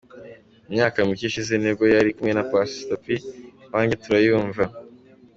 Mu myaka mike ishize nibwo nari kumwe na Pastor P iwanjye turayumva.